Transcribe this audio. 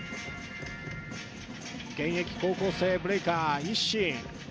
現役高校生ブレイカー・ＩＳＳＩＮ。